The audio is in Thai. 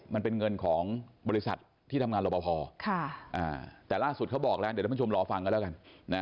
มันเป็นเงินของบริษัทที่ทำงานรบพอแต่ล่าสุดเขาบอกแล้วเดี๋ยวท่านผู้ชมรอฟังกันแล้วกัน